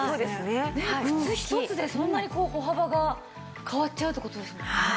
靴一つでそんなに歩幅が変わっちゃうって事ですもんね。